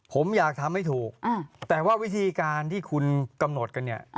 ผมอยากทำให้ถูกแต่ว่าวิธีการที่คุณกำหนดกันเนี่ย